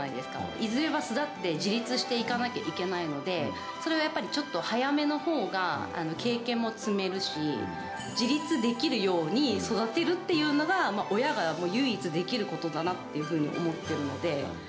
いずれは巣立って自立していかなきゃいけないので、それをやっぱりちょっと早めのほうが経験も積めるし、自立できるように育てるっていうのが、親が唯一できることだなっていうふうに思ってるので。